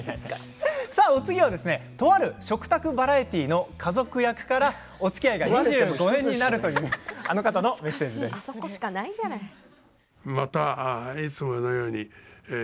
お次は、とある食卓バラエティーの家族役からおつきあいが２５年になるというあの方のメッセージです。